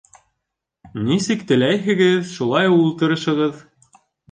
Нисек теләйһегеҙ, шулай ултырышығыҙ.